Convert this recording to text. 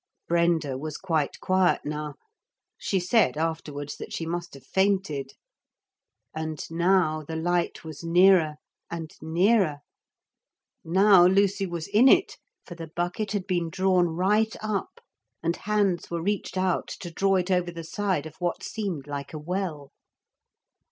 Brenda was quite quiet now. She said afterwards that she must have fainted. And now the light was nearer and nearer. Now Lucy was in it, for the bucket had been drawn right up, and hands were reached out to draw it over the side of what seemed like a well.